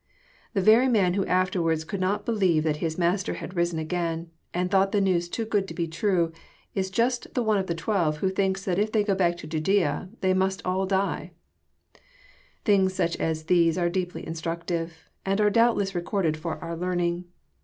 The very man who afterwards could not be lieve that his Master had risen again, and thought the news too good to be true, is just the one of the twelve who thinks that if they go back to Judaea they must all die I Things such as these are deeply instructive, and are doubtless recorded for our learning.